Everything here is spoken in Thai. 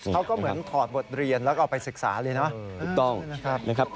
เขาก็เหมือนถอดบทเรียนแล้วก็ออกไปศึกษาเลยนะ